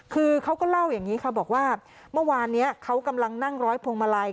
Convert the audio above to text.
คือเขาก็เล่าอย่างนี้ค่ะบอกว่าเมื่อวานนี้เขากำลังนั่งร้อยพวงมาลัย